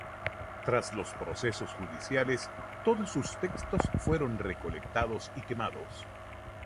Tras los procesos judiciales, todos sus textos fueron recolectados y quemados.